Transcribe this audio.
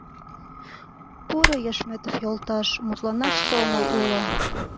Пуро, Яшметов йолташ, мутланаш сомыл уло.